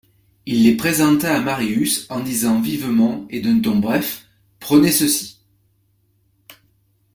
Il les présenta à Marius en disant vivement et d'un ton bref : Prenez ceci.